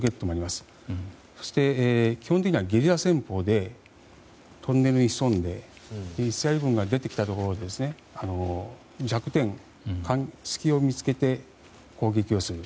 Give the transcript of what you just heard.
そして、基本的にはゲリラ戦法でトンネルに潜んでイスラエル軍が出てきたところを弱点、隙を見つけて攻撃をする。